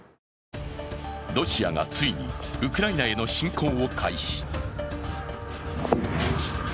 ロシアがついにウクライナへの侵攻を開始。